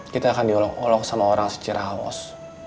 kita akan diolok olok sama orang secara haus